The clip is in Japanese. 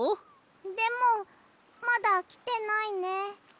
でもまだきてないね。